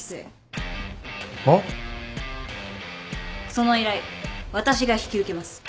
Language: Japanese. その依頼私が引き受けます。